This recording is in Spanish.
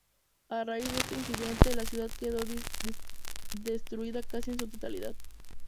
A raíz de este incidente, la ciudad quedó destruida casi en su totalidad.